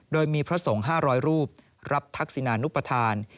โดยมีพระสงฆ์๕๐๐รูปรับทักษินานุปทาน